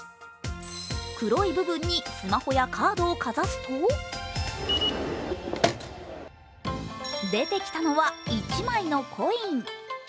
黒い部分にスマホやカードをかざすと出てきたのは、１枚のコイン。